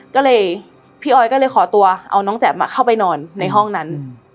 ก็เลยพี่ออยก็เลยขอตัวเอาน้องแจ่มเข้าไปนอนในห้องนั้น